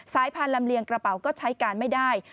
พันธุลำเลียงกระเป๋าก็ใช้การไม่ได้